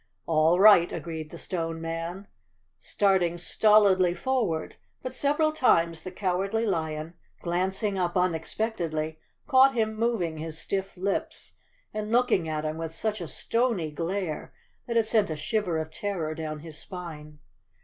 "All right," agreed the Stone Man, starting stolidly forward, but several times the Cowardly Lion, glancing up unexpectedly, caught him moving his stiff lips and looking at him with such a stony glare that it sent a shiver of terror down his spine.